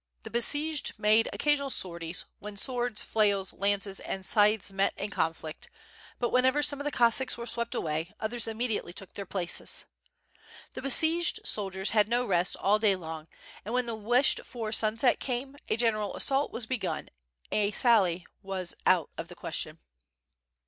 The be sieged made occasional sorties, when swords, flails, lances and scythes met in the conflict, but whenever some of the Cossacks were swept away, others immediately took their places. The besieged soldiers had no rest all day long, and when the wished for sunset came, a general assault was begun, a sally was out of the question.